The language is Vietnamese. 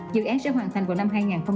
dự án sẽ hoàn thành vào năm hai nghìn hai mươi